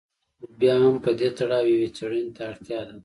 خو بیا هم په دې تړاو یوې څېړنې ته اړتیا ده.